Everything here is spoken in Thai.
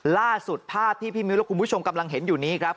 ล่าสุดภาพที่พี่มิ้วและคุณผู้ชมกำลังเห็นอยู่นี้ครับ